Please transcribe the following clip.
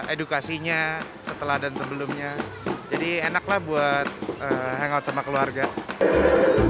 edukasinya setelah dan sebelumnya jadi enaklah buat hangout sama keluarga wanda ini hadir hingga delapan saudi arabi berharap di jakarta sea